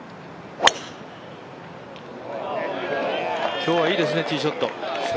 今日はいいですね、ティーショット。